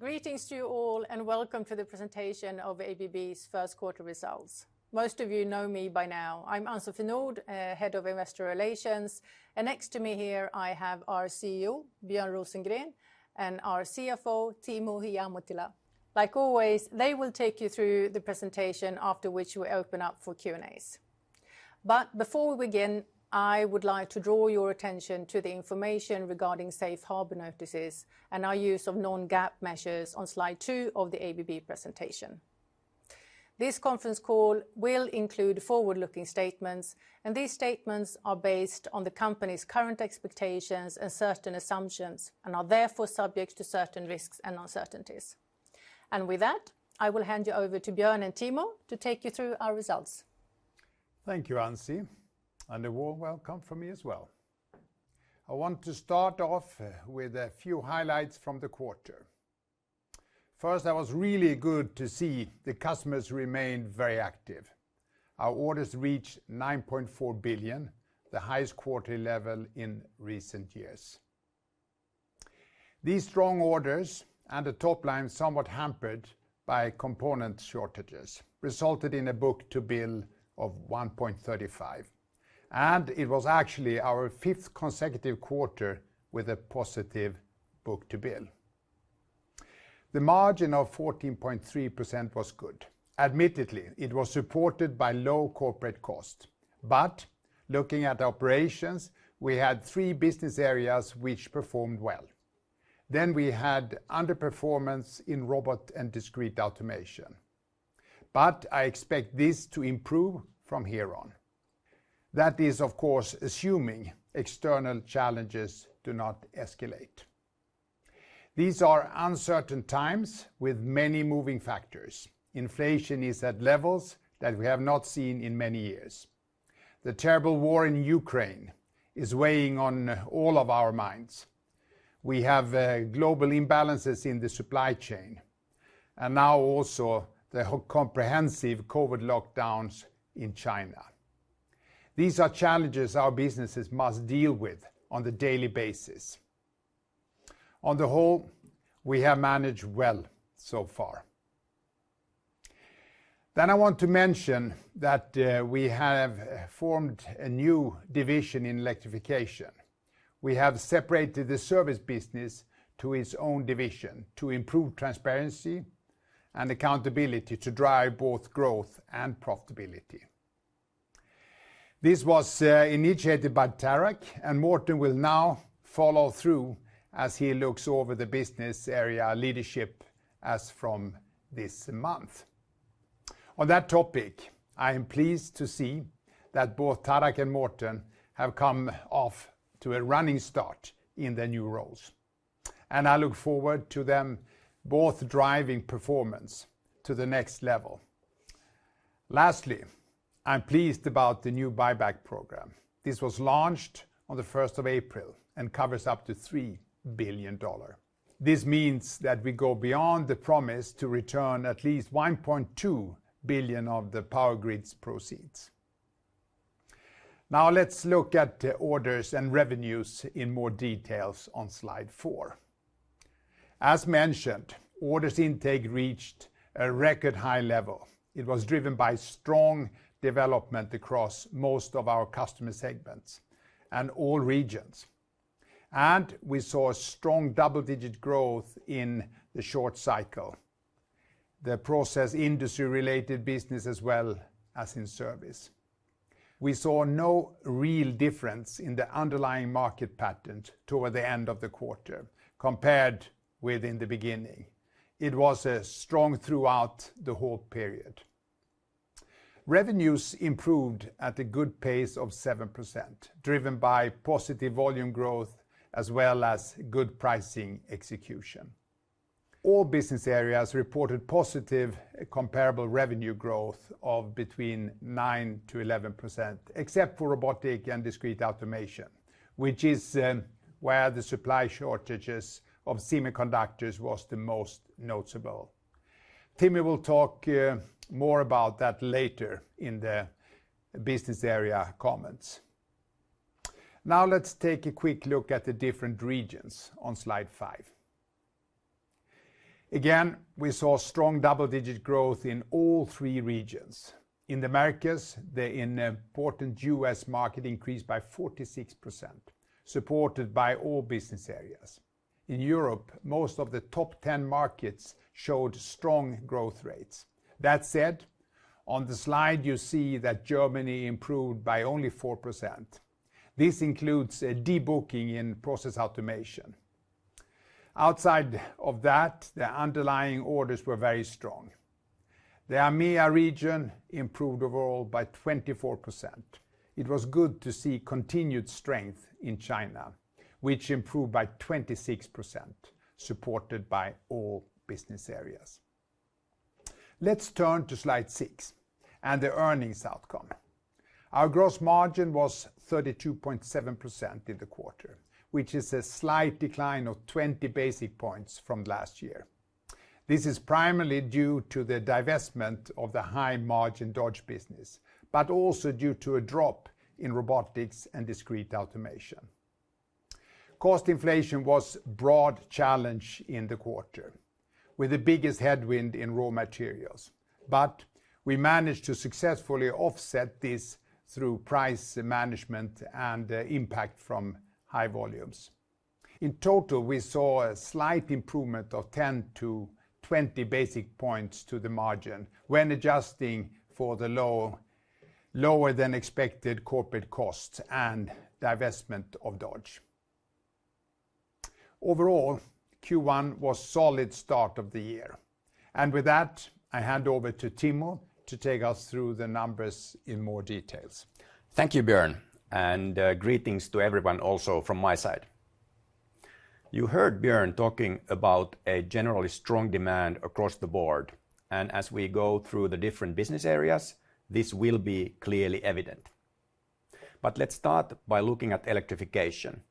Greetings to you all, and welcome to the presentation of ABB's first quarter results. Most of you know me by now. I'm Ann-Sofie Nordh, Head of Investor Relations, and next to me here, I have our CEO, Björn Rosengren, and our CFO, Timo Ihamuotila. Like always, they will take you through the presentation, after which we open up for Q&As. Before we begin, I would like to draw your attention to the information regarding safe harbor notices and our use of non-GAAP measures on Slide two of the ABB presentation. This conference call will include forward-looking statements, and these statements are based on the company's current expectations and certain assumptions and are therefore subject to certain risks and uncertainties. With that, I will hand you over to Björn and Timo to take you through our results. Thank you, Ann-Sofie, and a warm welcome from me as well. I want to start off with a few highlights from the quarter. First, that was really good to see the customers remain very active. Our orders reached $9.4 billion, the highest quarterly level in recent years. These strong orders, and the top line somewhat hampered by component shortages, resulted in a book-to-bill of 1.35, and it was actually our fifth consecutive quarter with a positive book-to-bill. The margin of 14.3% was good. Admittedly, it was supported by low corporate cost. Looking at operations, we had three business areas which performed well. We had underperformance in Robotics and Discrete Automation. I expect this to improve from here on. That is, of course, assuming external challenges do not escalate. These are uncertain times with many moving factors. Inflation is at levels that we have not seen in many years. The terrible war in Ukraine is weighing on all of our minds. We have global imbalances in the supply chain, and now also the comprehensive COVID lockdowns in China. These are challenges our businesses must deal with on a daily basis. On the whole, we have managed well so far. I want to mention that we have formed a new division in Electrification. We have separated the service business to its own division to improve transparency and accountability to drive both growth and profitability. This was initiated by Tarak, and Morten will now follow through as he looks over the business area leadership as from this month. On that topic, I am pleased to see that both Tarak and Morten have come off to a running start in their new roles, and I look forward to them both driving performance to the next level. Lastly, I'm pleased about the new buyback program. This was launched on the first of April and covers up to $3 billion. This means that we go beyond the promise to return at least $1.2 billion of the power grids proceeds. Now, let's look at orders and revenues in more detail on slide four. As mentioned, order intake reached a record high level. It was driven by strong development across most of our customer segments and all regions, and we saw strong double-digit growth in the short cycle, the process industry-related business as well as in service. We saw no real difference in the underlying market pattern toward the end of the quarter compared with in the beginning. It was strong throughout the whole period. Revenues improved at a good pace of 7%, driven by positive volume growth as well as good pricing execution. All business areas reported positive comparable revenue growth of between 9%-11%, except for Robotics and Discrete Automation, which is where the supply shortages of semiconductors was the most noticeable. Timo will talk more about that later in the business area comments. Now, let's take a quick look at the different regions on slide five. Again, we saw strong double-digit growth in all three regions. In the Americas, the important U.S. market increased by 46%, supported by all business areas. In Europe, most of the top ten markets showed strong growth rates. That said, on the slide, you see that Germany improved by only 4%. This includes a de-booking in Process Automation. Outside of that, the underlying orders were very strong. The EMEA region improved overall by 24%. It was good to see continued strength in China, which improved by 26%, supported by all business areas. Let's turn to slide six and the earnings outcome. Our gross margin was 32.7% in the quarter, which is a slight decline of 20 basis points from last year. This is primarily due to the divestment of the high margin Dodge business, but also due to a drop in Robotics and Discrete Automation. Cost inflation was a broad challenge in the quarter, with the biggest headwind in raw materials. We managed to successfully offset this through price management and impact from high volumes. In total, we saw a slight improvement of 10-20 basis points to the margin when adjusting for the lower than expected corporate costs and divestment of Dodge. Overall, Q1 was a solid start of the year. With that, I hand over to Timo to take us through the numbers in more details. Thank you, Björn, and greetings to everyone also from my side. You heard Björn talking about a generally strong demand across the board, and as we go through the different business areas, this will be clearly evident. Let's start by looking at Electrification.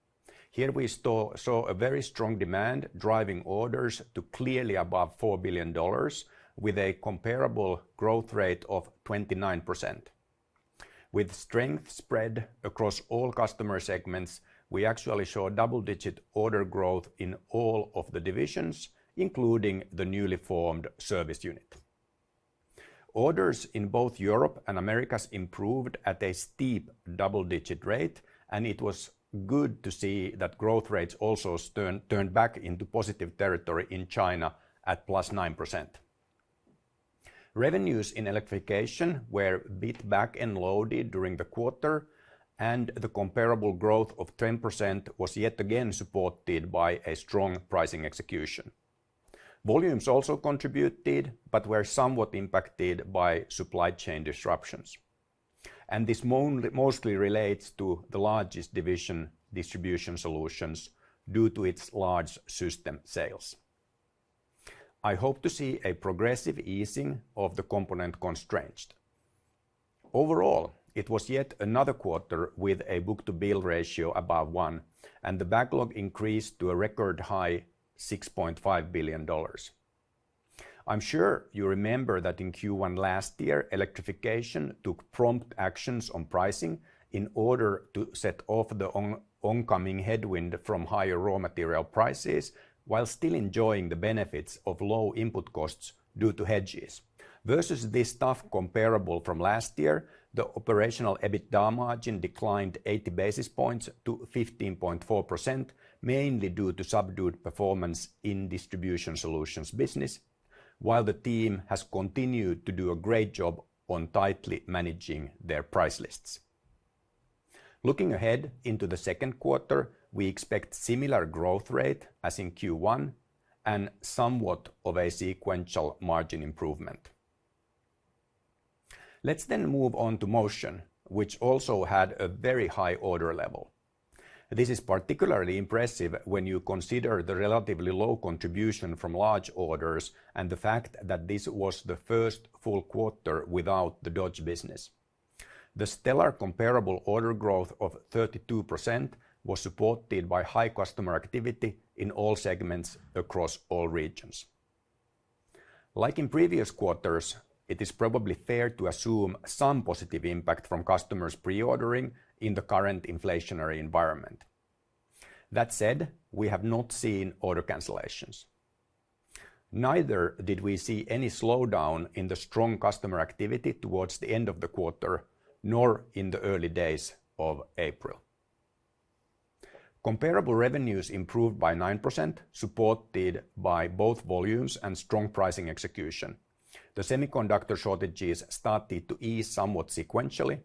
Here we saw a very strong demand driving orders to clearly above $4 billion with a comparable growth rate of 29%. With strength spread across all customer segments, we actually saw double-digit order growth in all of the divisions, including the newly formed service unit. Orders in both Europe and Americas improved at a steep double-digit rate, and it was good to see that growth rates also turned back into positive territory in China at +9%. Revenues in Electrification were a bit back-end loaded during the quarter, and the comparable growth of 10% was yet again supported by a strong pricing execution. Volumes also contributed, but were somewhat impacted by supply chain disruptions. This mostly relates to the largest division, Distribution Solutions, due to its large system sales. I hope to see a progressive easing of the component constraints. Overall, it was yet another quarter with a book-to-bill ratio above one, and the backlog increased to a record high $6.5 billion. I'm sure you remember that in Q1 last year, Electrification took prompt actions on pricing in order to set off the oncoming headwind from higher raw material prices while still enjoying the benefits of low input costs due to hedges. Versus this tough comparable from last year, the Operational EBITDA margin declined 80 basis points to 15.4%, mainly due to subdued performance in Distribution Solutions business, while the team has continued to do a great job on tightly managing their price lists. Looking ahead into the second quarter, we expect similar growth rate as in Q1 and somewhat of a sequential margin improvement. Let's move on to Motion, which also had a very high order level. This is particularly impressive when you consider the relatively low contribution from large orders and the fact that this was the first full quarter without the Dodge business. The stellar comparable order growth of 32% was supported by high customer activity in all segments across all regions. Like in previous quarters, it is probably fair to assume some positive impact from customers pre-ordering in the current inflationary environment. That said, we have not seen order cancellations. Neither did we see any slowdown in the strong customer activity towards the end of the quarter, nor in the early days of April. Comparable revenues improved by 9%, supported by both volumes and strong pricing execution. The semiconductor shortages started to ease somewhat sequentially,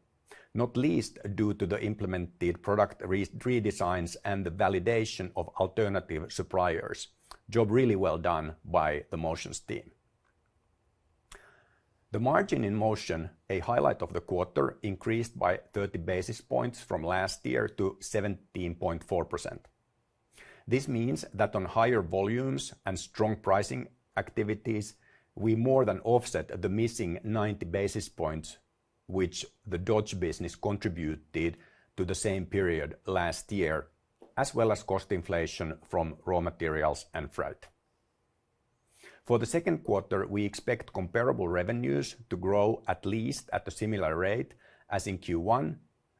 not least due to the implemented product redesigns and the validation of alternative suppliers. Job really well done by the Motion team. The margin in Motion, a highlight of the quarter, increased by 30 basis points from last year to 17.4%. This means that on higher volumes and strong pricing activities, we more than offset the missing 90 basis points which the Dodge business contributed to the same period last year, as well as cost inflation from raw materials and freight. For the second quarter, we expect comparable revenues to grow at least at a similar rate as in Q1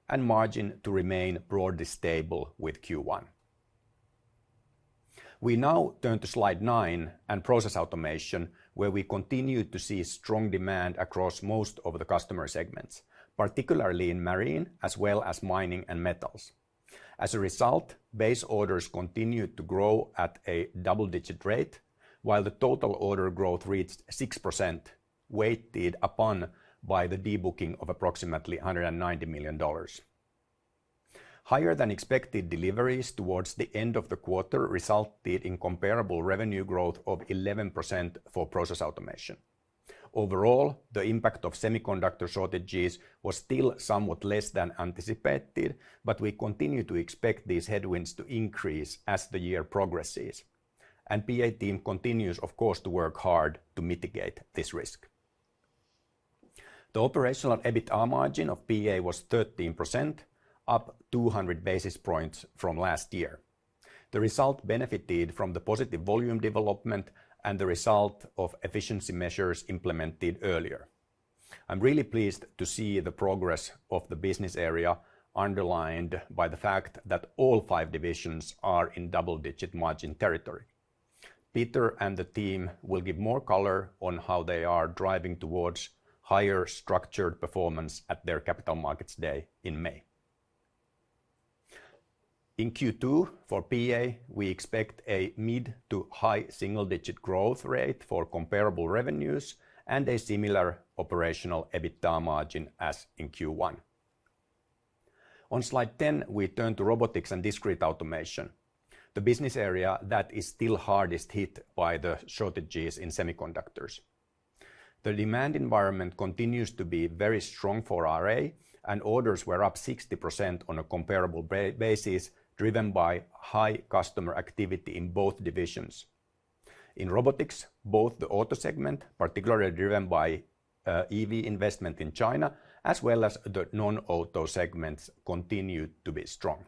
and margin to remain broadly stable with Q1. We now turn to slide nine and Process Automation, where we continue to see strong demand across most of the customer segments, particularly in marine as well as mining and metals. As a result, base orders continued to grow at a double-digit rate, while the total order growth reached 6%, weighed down by the debooking of approximately $190 million. Higher than expected deliveries towards the end of the quarter resulted in comparable revenue growth of 11% for Process Automation. Overall, the impact of semiconductor shortages was still somewhat less than anticipated, but we continue to expect these headwinds to increase as the year progresses. PA team continues, of course, to work hard to mitigate this risk. The Operational EBITDA margin of BA was 13%, up 200 basis points from last year. The result benefited from the positive volume development and the result of efficiency measures implemented earlier. I'm really pleased to see the progress of the business area underlined by the fact that all five divisions are in double-digit margin territory. Peter and the team will give more color on how they are driving towards higher structured performance at their Capital Markets Day in May. In Q2 for PA, we expect a mid- to high single-digit growth rate for comparable revenues and a similar Operational EBITDA margin as in Q1. On slide 10, we turn to Robotics & Discrete Automation, the business area that is still hardest hit by the shortages in semiconductors. The demand environment continues to be very strong for RA, and orders were up 60% on a comparable basis, driven by high customer activity in both divisions. In robotics, both the auto segment, particularly driven by EV investment in China, as well as the non-auto segments, continue to be strong.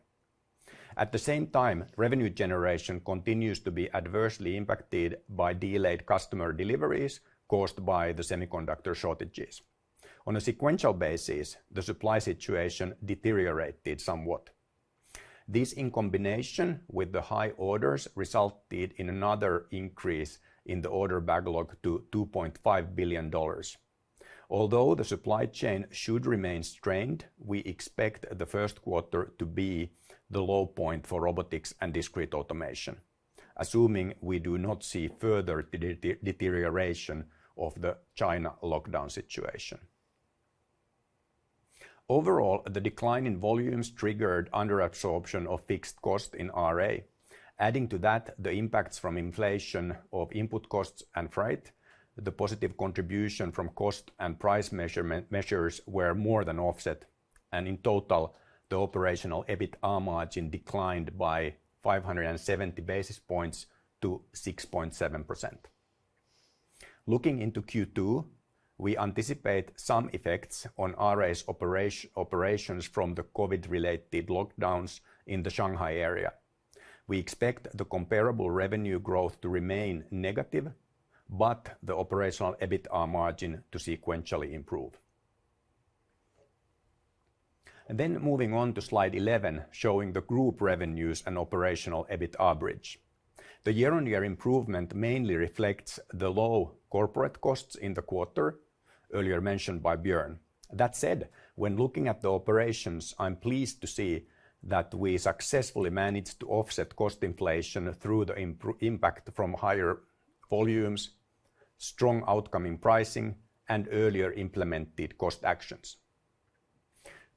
At the same time, revenue generation continues to be adversely impacted by delayed customer deliveries caused by the semiconductor shortages. On a sequential basis, the supply situation deteriorated somewhat. This, in combination with the high orders, resulted in another increase in the order backlog to $2.5 billion. Although the supply chain should remain strained, we expect the first quarter to be the low point for robotics and discrete automation, assuming we do not see further deterioration of the China lockdown situation. Overall, the decline in volumes triggered underabsorption of fixed costs in RA. Adding to that, the impacts from inflation of input costs and freight, the positive contribution from cost and price measures were more than offset. In total, the Operational EBITDA margin declined by 570 basis points to 6.7%. Looking into Q2, we anticipate some effects on RA's operations from the COVID-related lockdowns in the Shanghai area. We expect the comparable revenue growth to remain negative, but the Operational EBITDA margin to sequentially improve. Moving on to slide 11, showing the group revenues and Operational EBITDA bridge. The year-on-year improvement mainly reflects the low corporate costs in the quarter, earlier mentioned by Björn. That said, when looking at the operations, I'm pleased to see that we successfully managed to offset cost inflation through the impact from higher volumes, strong outcome in pricing, and earlier implemented cost actions.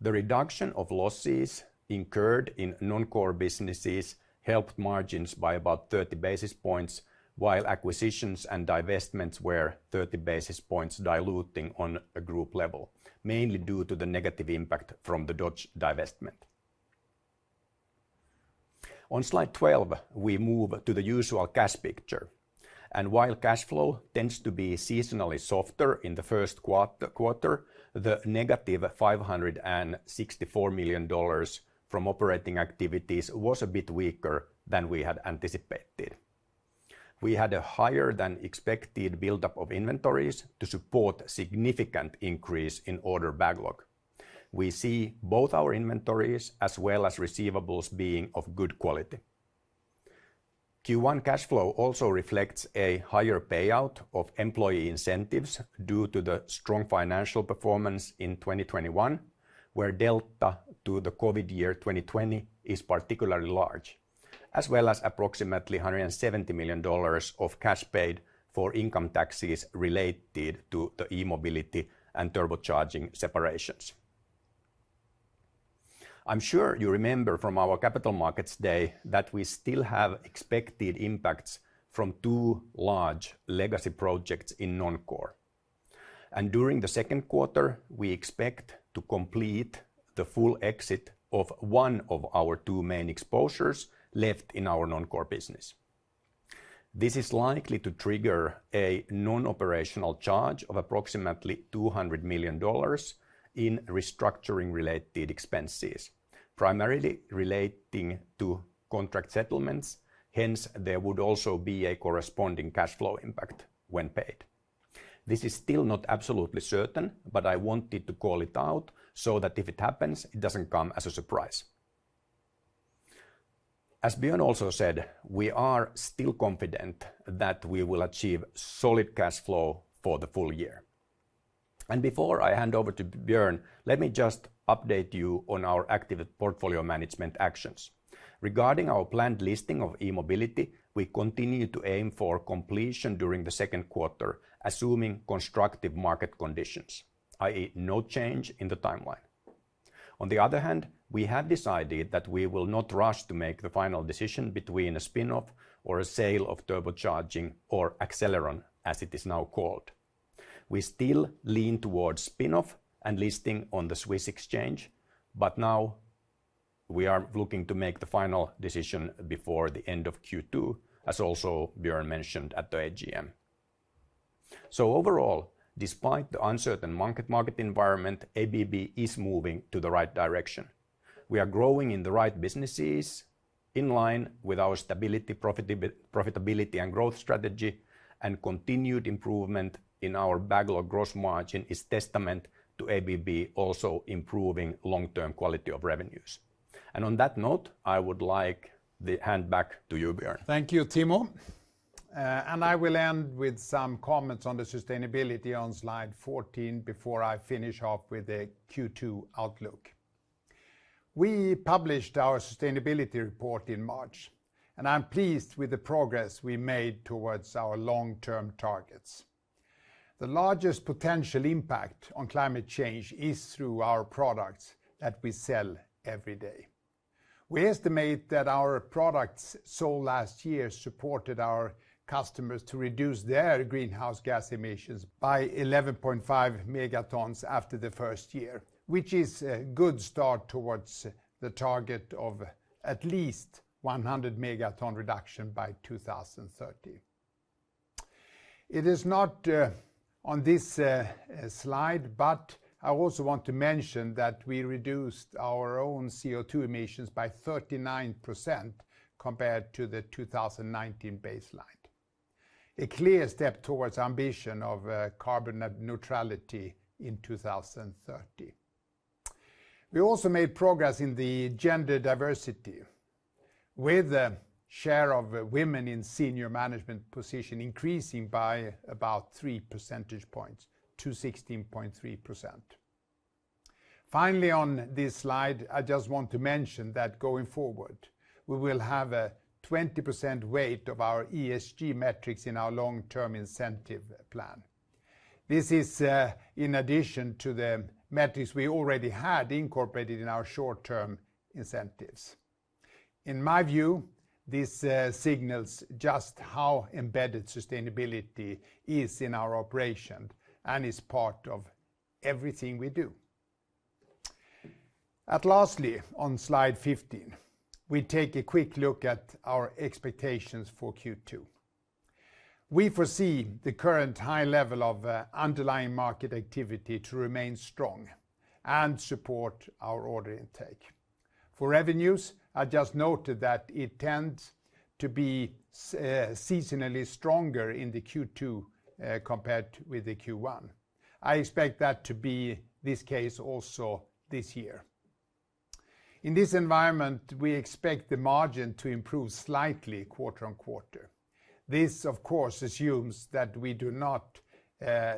The reduction of losses incurred in non-core businesses helped margins by about 30 basis points, while acquisitions and divestments were 30 basis points diluting on a group level, mainly due to the negative impact from the Dodge divestment. On slide 12, we move to the usual cash picture. While cash flow tends to be seasonally softer in the first quarter, the -$564 million from operating activities was a bit weaker than we had anticipated. We had a higher than expected buildup of inventories to support significant increase in order backlog. We see both our inventories as well as receivables being of good quality. Q1 cash flow also reflects a higher payout of employee incentives due to the strong financial performance in 2021, where delta to the COVID year 2020 is particularly large, as well as approximately $170 million of cash paid for income taxes related to the E-mobility and turbocharging separations. I'm sure you remember from our Capital Markets Day that we still have expected impacts from two large legacy projects in non-core. During the second quarter, we expect to complete the full exit of one of our two main exposures left in our non-core business. This is likely to trigger a non-operational charge of approximately $200 million in restructuring-related expenses, primarily relating to contract settlements. Hence, there would also be a corresponding cash flow impact when paid. This is still not absolutely certain, but I wanted to call it out so that if it happens, it doesn't come as a surprise. As Björn also said, we are still confident that we will achieve solid cash flow for the full year. Before I hand over to Björn, let me just update you on our active portfolio management actions. Regarding our planned listing of E-mobility, we continue to aim for completion during the second quarter, assuming constructive market conditions, i.e. no change in the timeline. On the other hand, we have decided that we will not rush to make the final decision between a spin-off or a sale of turbocharging or Accelleron, as it is now called. We still lean towards spin-off and listing on the Swiss exchange, but now we are looking to make the final decision before the end of Q2, as also Björn mentioned at the AGM. Overall, despite the uncertain market environment, ABB is moving in the right direction. We are growing in the right businesses in line with our stability profitability and growth strategy, and continued improvement in our backlog gross margin is testament to ABB also improving long-term quality of revenues. On that note, I would like to hand back to you, Björn. Thank you, Timo. I will end with some comments on the sustainability on slide 14 before I finish off with the Q2 outlook. We published our sustainability report in March, and I'm pleased with the progress we made towards our long-term targets. The largest potential impact on climate change is through our products that we sell every day. We estimate that our products sold last year supported our customers to reduce their greenhouse gas emissions by 11.5 megatons after the first year, which is a good start towards the target of at least 100 megaton reduction by 2030. It is not on this slide, but I also want to mention that we reduced our own CO2 emissions by 39% compared to the 2019 baseline. A clear step towards ambition of carbon neutrality in 2030. We also made progress in the gender diversity with the share of women in senior management position increasing by about three percentage points to 16.3%. Finally, on this slide, I just want to mention that going forward, we will have a 20% weight of our ESG metrics in our long-term incentive plan. This is in addition to the metrics we already had incorporated in our short-term incentives. In my view, this signals just how embedded sustainability is in our operation and is part of everything we do. Lastly, on slide 15, we take a quick look at our expectations for Q2. We foresee the current high level of underlying market activity to remain strong and support our order intake. For revenues, I just noted that it tends to be seasonally stronger in the Q2 compared with the Q1. I expect that to be this case also this year. In this environment, we expect the margin to improve slightly quarter-over-quarter. This, of course, assumes that we do not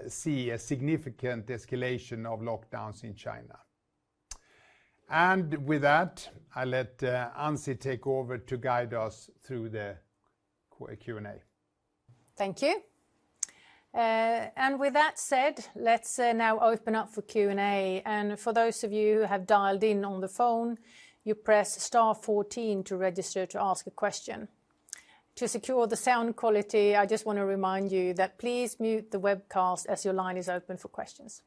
see a significant escalation of lockdowns in China. With that, I let Ann-Sofie take over to guide us through the Q&A. Thank you. With that said, let's now open up for Q&A. For those of you who have dialed in on the phone, you press star fourteen to register to ask a question. To secure the sound quality, I just wanna remind you that please mute the webcast as your line is open for questions.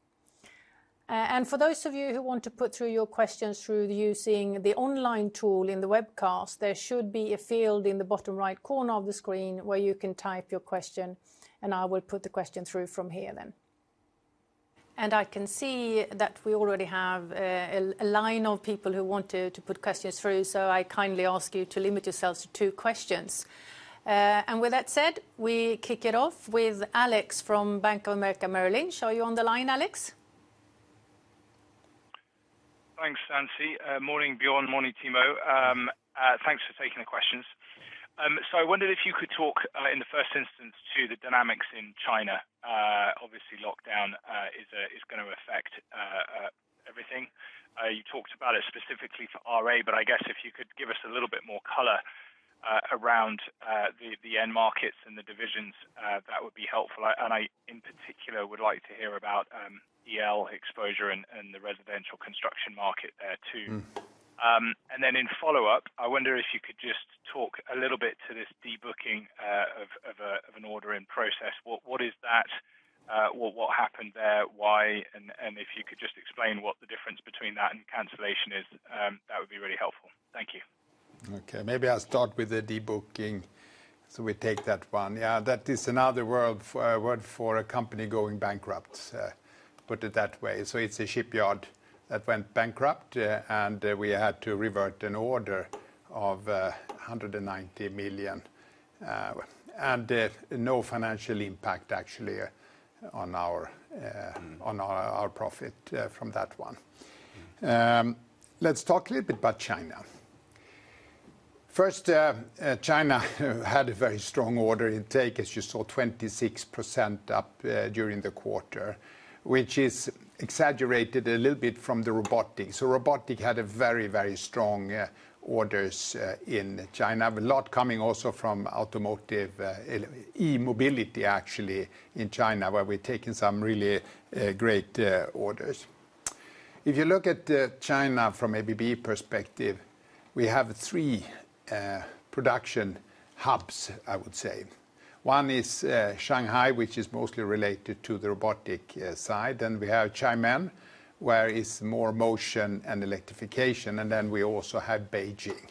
For those of you who want to put through your questions using the online tool in the webcast, there should be a field in the bottom right corner of the screen where you can type your question, and I will put the question through from here then. I can see that we already have a line of people who want to put questions through, so I kindly ask you to limit yourselves to two questions. with that said, we kick it off with Alex from Bank of America Merrill Lynch. Are you on the line, Alex? Thanks, Ann-Sofie. Morning, Björn. Morning, Timo. Thanks for taking the questions. I wondered if you could talk in the first instance to the dynamics in China. Obviously, lockdown is gonna affect everything. You talked about it specifically for RA, but I guess if you could give us a little bit more color around the end markets and the divisions, that would be helpful. I, in particular, would like to hear about EL exposure and the residential construction market there too. In follow-up, I wonder if you could just talk a little bit to this de-booking of an order in process. What is that? What happened there? Why? If you could just explain what the difference between that and cancellation is, that would be really helpful. Thank you. Okay, maybe I'll start with the de-booking. We take that one. Yeah, that is another word for a company going bankrupt, put it that way. It's a shipyard that went bankrupt, and we had to revert an order of $190 million, and no financial impact actually on our profit from that one. Let's talk a little bit about China. First, China had a very strong order intake, as you saw, 26% up during the quarter, which is exaggerated a little bit from the Robotics. Robotics had very strong orders in China, a lot coming also from automotive, E-mobility actually in China, where we're taking some really great orders. If you look at China from ABB perspective, we have three production hubs, I would say. One is Shanghai, which is mostly related to the robotics side. We have Xiamen, which is more Motion and Electrification, and we also have Beijing.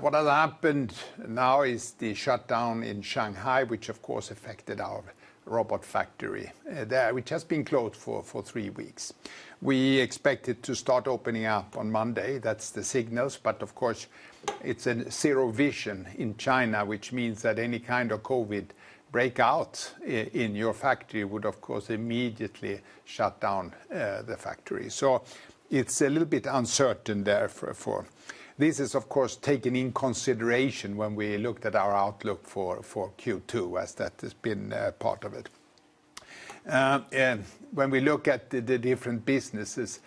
What has happened now is the shutdown in Shanghai, which of course affected our robot factory there, which has been closed for three weeks. We expect it to start opening up on Monday. That's the signals. Of course, it's a zero-COVID in China, which means that any kind of COVID breakout in your factory would of course immediately shut down the factory. It's a little bit uncertain there. This is of course taken into consideration when we looked at our outlook for Q2, as that has been part of it. When we look at the different businesses,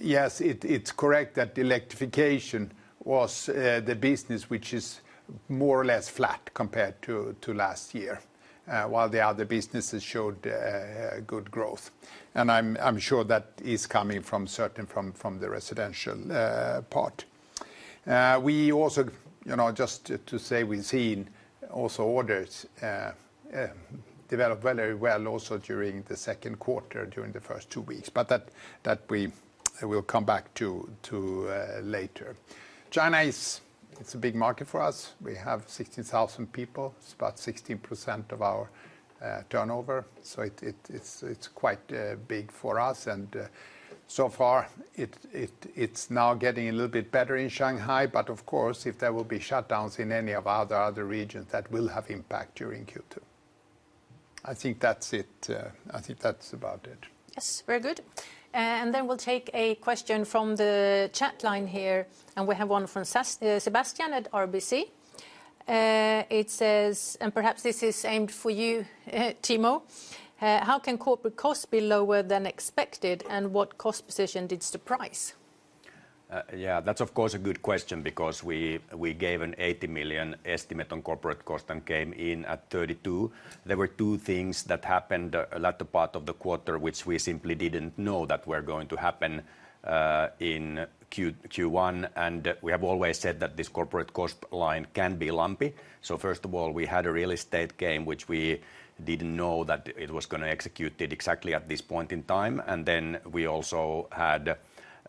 yes, it's correct that Electrification was the business which is more or less flat compared to last year, while the other businesses showed good growth. I'm sure that is coming from the residential part. We also, you know, just to say we've seen orders develop very well also during the second quarter during the first two weeks. That we will come back to later. China is a big market for us. We have 16,000 people. It's about 16% of our turnover. It's quite big for us. So far, it's now getting a little bit better in Shanghai, but of course, if there will be shutdowns in any of our other regions, that will have impact during Q2. I think that's it. I think that's about it. Yes. Very good. We'll take a question from the chat line here, and we have one from Sebastian at RBC. It says, and perhaps this is aimed for you, Timo, "How can corporate costs be lower than expected, and what cost position did surprise? Yeah, that's of course a good question because we gave an $80 million estimate on corporate cost and came in at $32. There were two things that happened, latter part of the quarter, which we simply didn't know that were going to happen, in Q1. We have always said that this corporate cost line can be lumpy. First of all, we had a real estate gain, which we didn't know that it was gonna execute it exactly at this point in time. We also had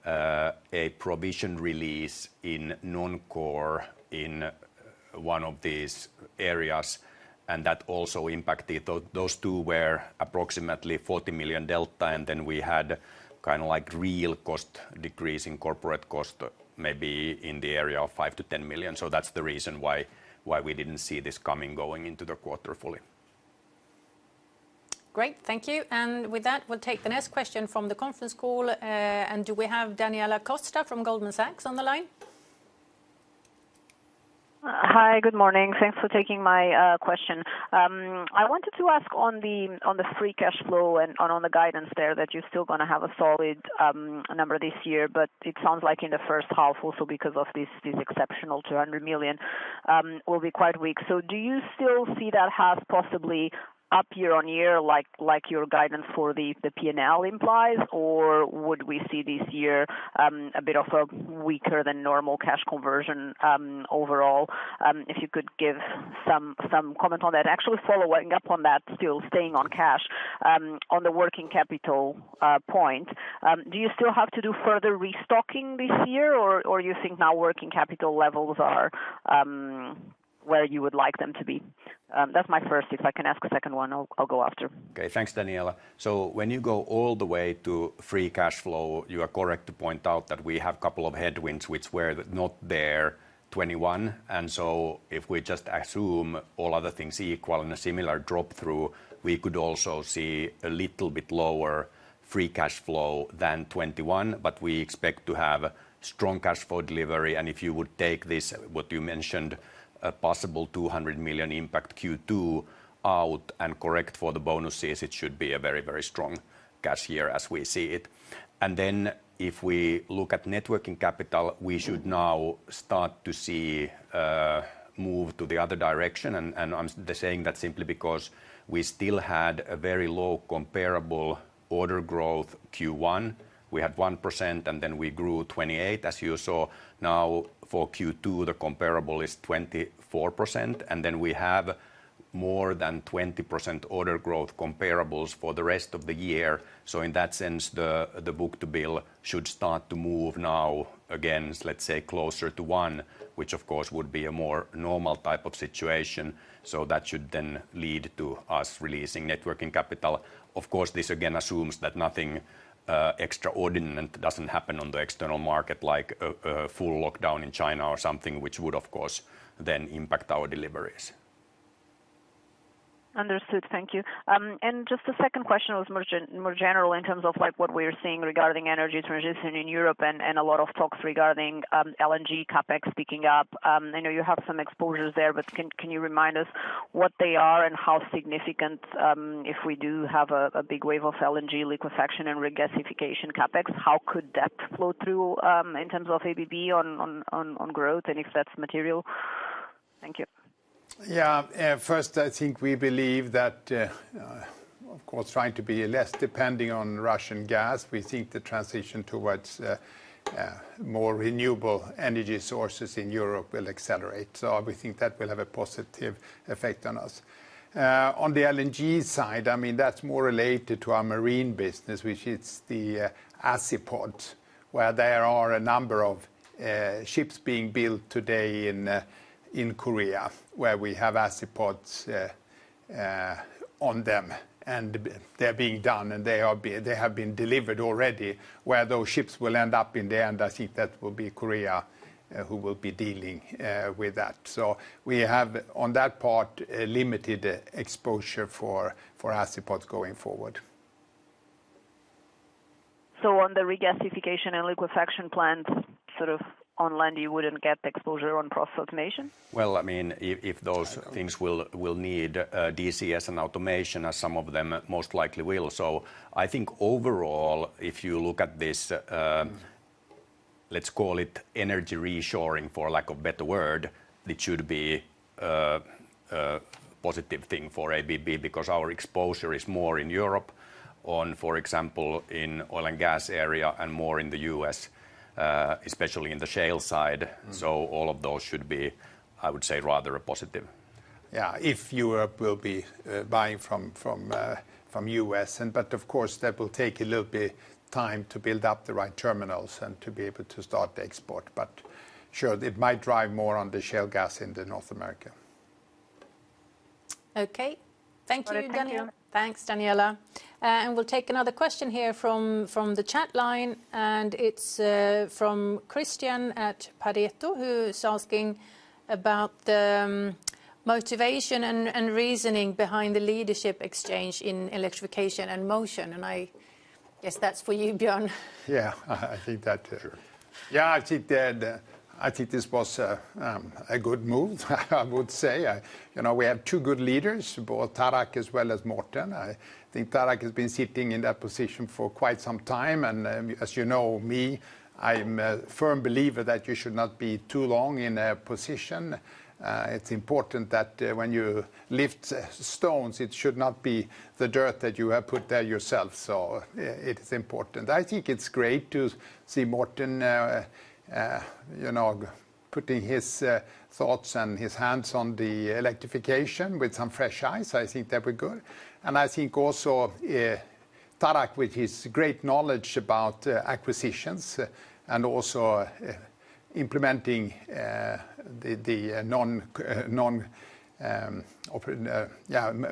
a provision release in non-core in one of these areas, and that also impacted. Those two were approximately $40 million delta. We had kind of like real cost decrease in corporate cost, maybe in the area of $5 million-$10 million. That's the reason why we didn't see this coming, going into the quarter fully. Great. Thank you. With that, we'll take the next question from the conference call. Do we have Daniela Costa from Goldman Sachs on the line? Hi. Good morning. Thanks for taking my question. I wanted to ask on the free cash flow and on the guidance there that you're still gonna have a solid number this year, but it sounds like in the first half also because of this exceptional $200 million will be quite weak. Do you still see that half possibly up year-on-year, like your guidance for the P&L implies? Or would we see this year a bit of a weaker than normal cash conversion overall? If you could give some comment on that. Actually following up on that, still staying on cash, on the working capital point, do you still have to do further restocking this year or you think now working capital levels are where you would like them to be? That's my first. If I can ask a second one, I'll go after. Okay. Thanks, Daniela. When you go all the way to free cash flow, you are correct to point out that we have couple of headwinds which were not there 2021. If we just assume all other things equal and a similar drop through, we could also see a little bit lower free cash flow than 2021. We expect to have strong cash flow delivery. If you would take this, what you mentioned, a possible $200 million impact Q2 out and correct for the bonuses, it should be a very, very strong cash year as we see it. If we look at net working capital, we should now start to see move to the other direction. I'm saying that simply because we still had a very low comparable order growth Q1. We had 1%, and then we grew 28%. As you saw now for Q2, the comparable is 24%. We have more than 20% order growth comparables for the rest of the year. In that sense, the book-to-bill should start to move now against, let's say, closer to one, which of course would be a more normal type of situation. That should then lead to us releasing net working capital. Of course, this again assumes that nothing extraordinary doesn't happen on the external market, like a full lockdown in China or something, which would of course then impact our deliveries. Understood. Thank you. Just a second question was more general in terms of like what we're seeing regarding energy transition in Europe and a lot of talks regarding LNG CapEx picking up. I know you have some exposures there, but can you remind us what they are and how significant if we do have a big wave of LNG liquefaction and regasification CapEx? How could that flow through in terms of ABB on growth and if that's material? Thank you. First, I think we believe that, of course, trying to be less depending on Russian gas, we think the transition towards more renewable energy sources in Europe will accelerate. We think that will have a positive effect on us. On the LNG side, I mean, that's more related to our marine business, which is the Azipod, where there are a number of ships being built today in Korea, where we have Azipod on them, and they're being done, and they have been delivered already. Where those ships will end up in the end, I think that will be Korea who will be dealing with that. We have, on that part, limited exposure for Azipod going forward. On the regasification and liquefaction plant, sort of online, you wouldn't get the exposure on Process Automation? I mean, if those things will need DCS and automation, as some of them most likely will. I think overall, if you look at this, let's call it energy reshoring, for lack of a better word, it should be a positive thing for ABB because our exposure is more in Europe, or for example, in the oil and gas area, and more in the U.S., especially in the shale side. All of those should be, I would say, rather a positive. If Europe will be buying from the U.S. Of course, that will take a little bit of time to build up the right terminals and to be able to start the export. Sure, it might drive more on the shale gas into North America. Okay. Thank you, Daniela. All right. Thank you. Thanks, Daniela. We'll take another question here from the chat line, and it's from Christian at Pareto, who is asking about the motivation and reasoning behind the leadership exchange in Electrification and Motion. I guess that's for you, Björn. Yeah. I think that. Sure. Yeah, I think this was a good move, I would say. You know, we have two good leaders, both Tarak as well as Morten. I think Tarak has been sitting in that position for quite some time, and as you know me, I'm a firm believer that you should not be too long in a position. It's important that when you lift stones, it should not be the dirt that you have put there yourself. It is important. I think it's great to see Morten, you know, putting his thoughts and his hands on the Electrification with some fresh eyes. I think that we're good. I think also Tarak with his great knowledge about acquisitions and also implementing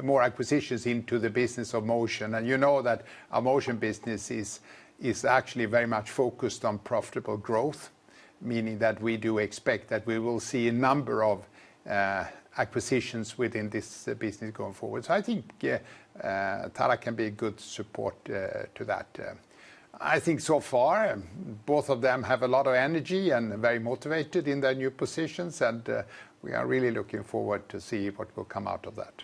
more acquisitions into the business of Motion. You know that our Motion business is actually very much focused on profitable growth, meaning that we do expect that we will see a number of acquisitions within this business going forward. I think, yeah, Tarek can be a good support to that. I think so far, both of them have a lot of energy and very motivated in their new positions, and we are really looking forward to see what will come out of that.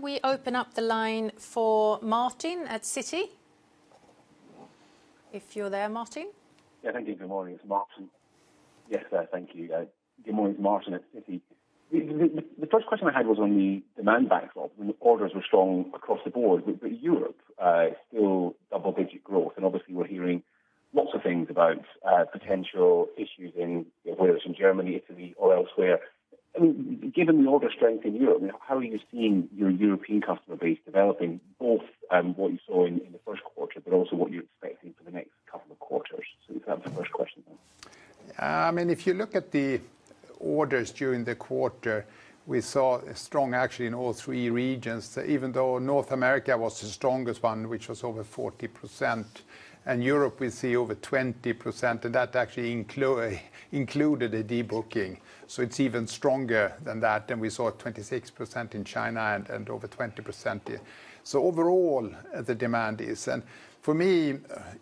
We open up the line for Martin at Citi. If you're there, Martin. Yeah, thank you. Good morning. It's Martin. Yes, thank you. Good morning. It's Martin at Citi. The first question I had was on the demand backlog. The orders were strong across the board, but Europe still double-digit growth, and obviously we're hearing lots of things about potential issues in whether it's in Germany, Italy or elsewhere. Given the order strength in Europe, how are you seeing your European customer base developing, both what you saw in the first quarter, but also what you're expecting for the next couple of quarters? That's the first question. I mean, if you look at the orders during the quarter, we saw strong activity in all three regions. Even though North America was the strongest one, which was over 40%, and Europe we see over 20%, and that actually included a de-booking. It's even stronger than that, and we saw 26% in China and over 20% here. Overall, the demand is. For me,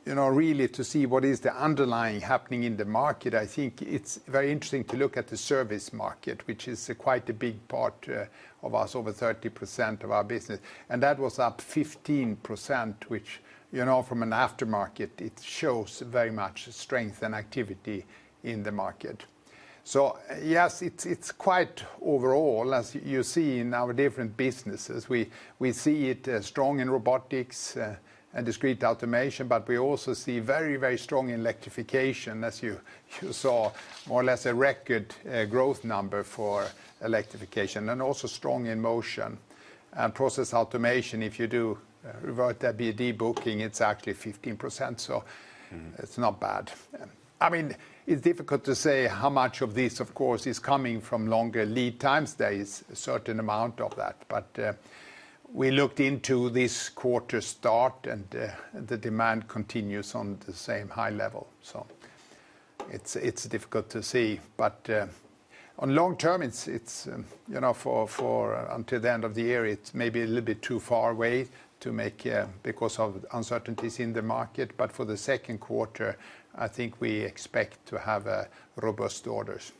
you know, the real way to see what is the underlying happening in the market, I think it's very interesting to look at the service market, which is quite a big part of us, over 30% of our business, and that was up 15%, which, you know, from an aftermarket, it shows very much strength and activity in the market. Yes, it's quite overall, as you see in our different businesses, we see it strong in robotics and discrete automation, but we also see very strong Electrification, as you saw more or less a record growth number for Electrification, and also strong in Motion. Process Automation, if you reverse that de-booking, it's actually 15%, so it's not bad. I mean, it's difficult to say how much of this, of course, is coming from longer lead times. There is a certain amount of that. We looked into the start of this quarter, and the demand continues on the same high level. It's difficult to see. On long term, it's you know, for until the end of the year, it may be a little bit too far away to make because of uncertainties in the market. For the second quarter, I think we expect to have robust orders.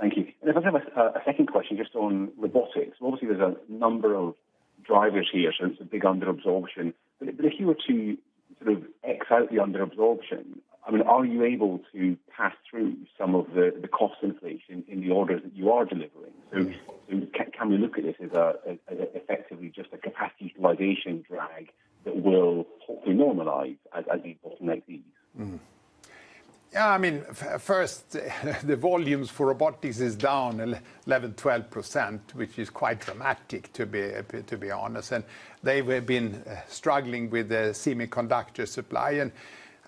Thank you. If I may have a second question just on robotics. Obviously, there's a number of drivers here since the big under absorption. If you were to sort of X out the under absorption, I mean, are you able to pass through some of the cost inflation in the orders that you are delivering? Can we look at this as effectively just a capacity utilization drag that will hopefully normalize as you automate these? Yeah, I mean, first, the volumes for robotics is down 11%-12%, which is quite dramatic to be honest. They've been struggling with the semiconductor supply.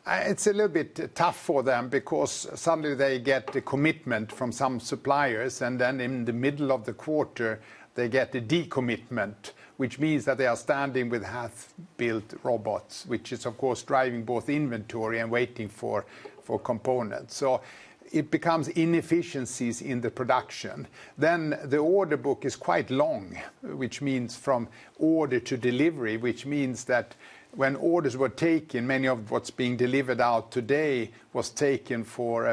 It's a little bit tough for them because suddenly they get the commitment from some suppliers and then in the middle of the quarter they get the decommitment. Which means that they are standing with half-built robots, which is of course driving both inventory and waiting for components. It becomes inefficiencies in the production. The order book is quite long, which means from order to delivery, which means that when orders were taken, many of what's being delivered out today was taken for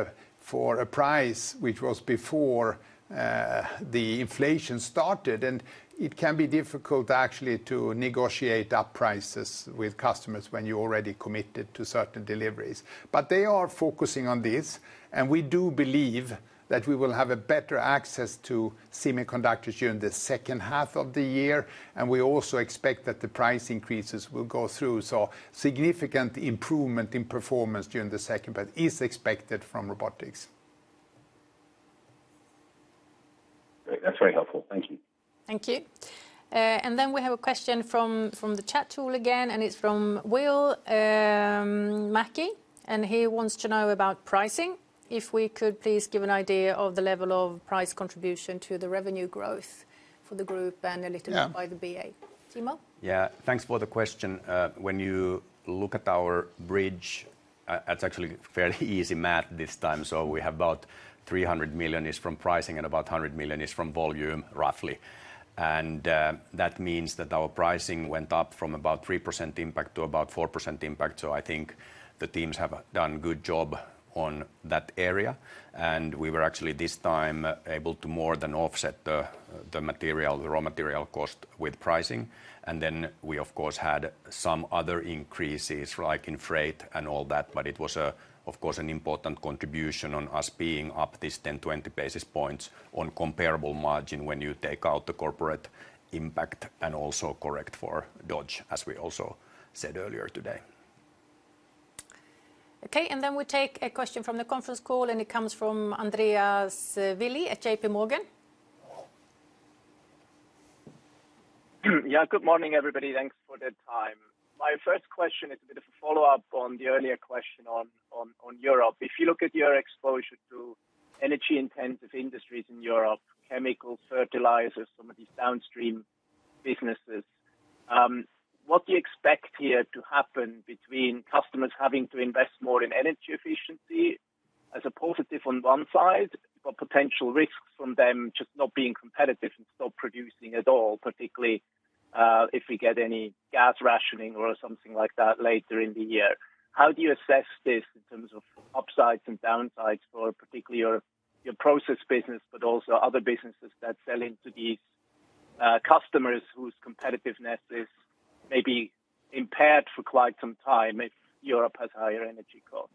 a price, which was before the inflation started. It can be difficult actually to negotiate up prices with customers when you're already committed to certain deliveries. They are focusing on this, and we do believe that we will have a better access to semiconductors during the second half of the year. We also expect that the price increases will go through. Significant improvement in performance during the second part is expected from robotics. Great. That's very helpful. Thank you. Thank you. Then we have a question from the chat tool again, and it's from Will Mackey, and he wants to know about pricing. If we could please give an idea of the level of price contribution to the revenue growth for the group and- Yeah a little bit by the BA team up. Thanks for the question. When you look at our bridge, it's actually fairly easy math this time. We have about $300 million from pricing and about $100 million from volume, roughly. That means that our pricing went up from about 3% impact to about 4% impact. I think the teams have done good job on that area. We were actually this time able to more than offset the raw material cost with pricing. We of course had some other increases, like in freight and all that, but it was of course an important contribution on us being up this 10-20 basis points on comparable margin when you take out the corporate impact and also correct for Dodge, as we also said earlier today. Okay. We take a question from the conference call, and it comes from Andreas willi at JPMorgan. Yeah. Good morning, everybody. Thanks for the time. My first question is a bit of a follow-up on the earlier question on Europe. If you look at your exposure to energy-intensive industries in Europe, chemicals, fertilizers, some of these downstream businesses, what do you expect here to happen between customers having to invest more in energy efficiency as a positive on one side, but potential risks from them just not being competitive and stop producing at all, particularly if we get any gas rationing or something like that later in the year? How do you assess this in terms of upsides and downsides for particularly your process business, but also other businesses that sell into these customers whose competitiveness is maybe impaired for quite some time if Europe has higher energy costs?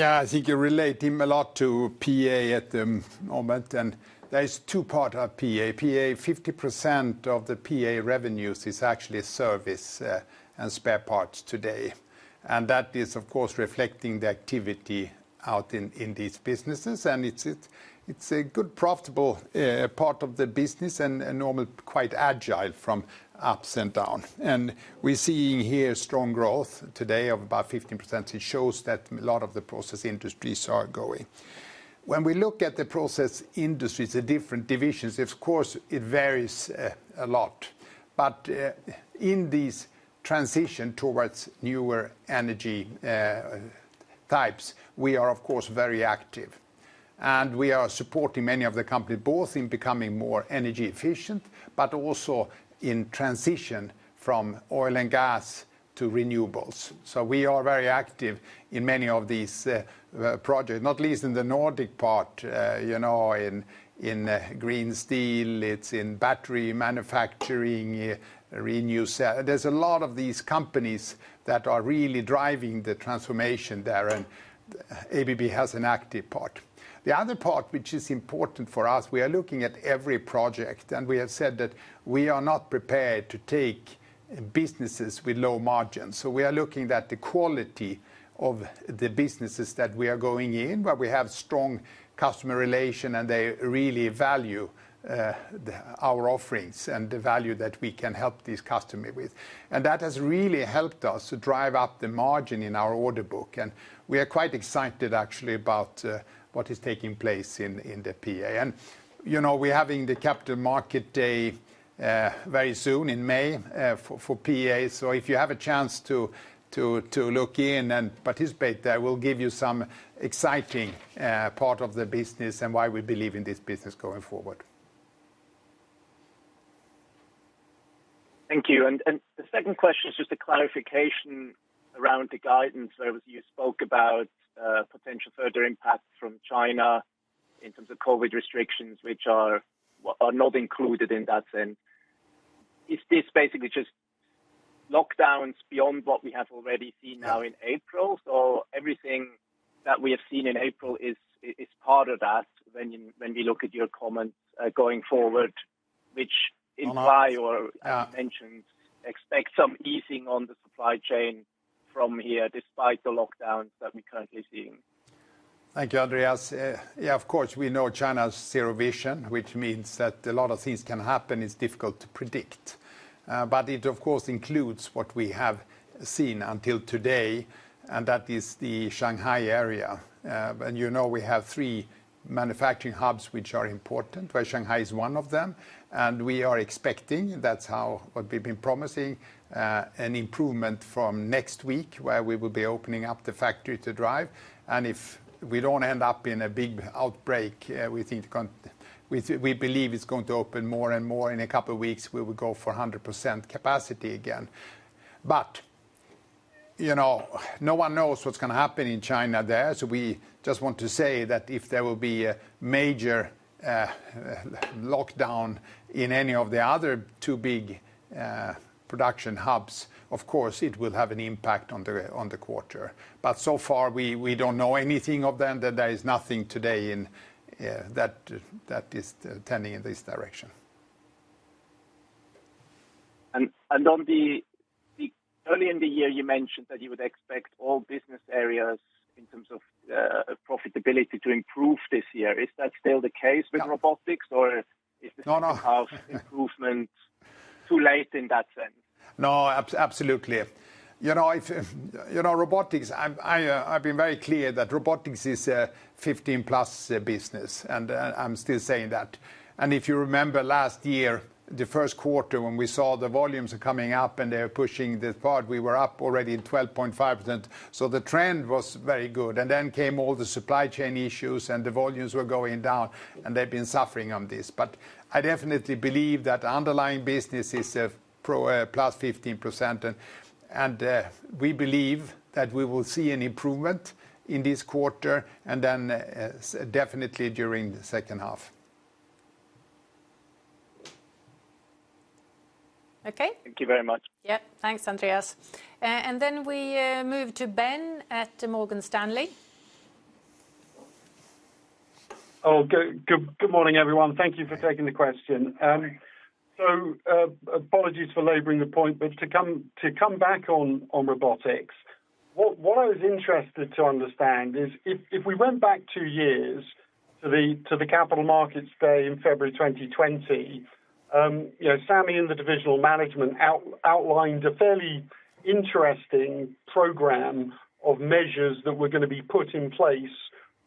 I think you're relating a lot to PA at the moment, and there are two parts of PA. PA, 50% of the PA revenues is actually service and spare parts today. That is, of course, reflecting the activity out in these businesses. It's a good profitable part of the business and normally quite agile from ups and downs. We're seeing here strong growth today of about 15%. It shows that a lot of the process industries are growing. When we look at the process industries, the different divisions, of course it varies a lot. In this transition towards newer energy types, we are of course very active. We are supporting many of the companies, both in becoming more energy efficient, but also in transition from oil and gas to renewables. We are very active in many of these projects, not least in the Nordic part, you know, in green steel, in battery manufacturing, Renewcell. There's a lot of these companies that are really driving the transformation there, and ABB has an active part. The other part which is important for us, we are looking at every project, and we have said that we are not prepared to take businesses with low margins. We are looking at the quality of the businesses that we are going in, where we have strong customer relations, and they really value our offerings and the value that we can help these customers with. That has really helped us to drive up the margin in our order book. We are quite excited actually about what is taking place in the PA. You know, we're having the Capital Market Day very soon in May for PA. If you have a chance to look in and participate, that will give you some exciting part of the business and why we believe in this business going forward. Thank you. The second question is just a clarification around the guidance. You spoke about potential further impacts from China in terms of COVID restrictions which are not included in that sense. Is this basically just lockdowns beyond what we have already seen now in April? Everything that we have seen in April is part of that when we look at your comments going forward, which imply or- Yeah As you mentioned, expect some easing on the supply chain from here despite the lockdowns that we're currently seeing. Thank you, Andreas. Yeah, of course, we know China's zero-COVID, which means that a lot of things can happen. It's difficult to predict. It of course includes what we have seen until today, and that is the Shanghai area. You know we have three manufacturing hubs which are important, where Shanghai is one of them. We are expecting what we've been promising, an improvement from next week where we will be opening up the factory to drive. If we don't end up in a big outbreak, we believe it's going to open more and more. In a couple of weeks, we will go for 100% capacity again. You know, no one knows what's gonna happen in China there. We just want to say that if there will be a major lockdown in any of the other two big production hubs, of course, it will have an impact on the quarter. So far, we don't know anything of them that there is nothing today that is tending in this direction. Early in the year, you mentioned that you would expect all business areas in terms of profitability to improve this year. Is that still the case with robotics? Or is the No. ...half improvement too late in that sense? No, absolutely. You know, robotics, I've been very clear that robotics is a 15+ business, and I'm still saying that. If you remember last year, the first quarter when we saw the volumes are coming up and they're pushing the part, we were up already in 12.5%. The trend was very good. Then came all the supply chain issues, and the volumes were going down, and they've been suffering on this. I definitely believe that underlying business is plus 15%. We believe that we will see an improvement in this quarter and then definitely during the second half. Okay. Thank you very much. Yeah. Thanks, Andreas. We move to Ben at Morgan Stanley. Oh, good morning, everyone. Thank you for taking the question. Apologies for laboring the point, but to come back on robotics, what I was interested to understand is if we went back two years to the Capital Markets Day in February 2020, you know, Sami and the divisional management outlined a fairly interesting program of measures that were gonna be put in place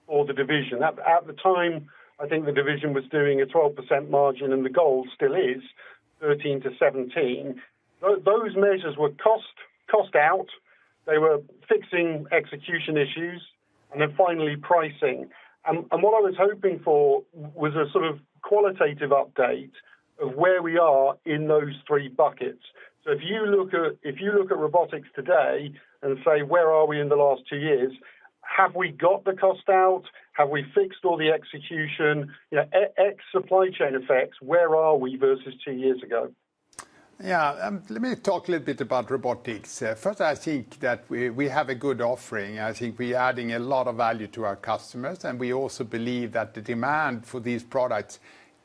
for the division. At the time, I think the division was doing a 12% margin, and the goal still is 13%-17%. Those measures were cost out, they were fixing execution issues, and then finally pricing. What I was hoping for was a sort of qualitative update of where we are in those three buckets. If you look at robotics today and say, "Where are we in the last two years?" Have we got the cost out? Have we fixed all the execution? You know, ex supply chain effects, where are we versus two years ago? Yeah. Let me talk a little bit about robotics. First I think that we have a good offering. I think we're adding a lot of value to our customers, and we also believe that the demand for these products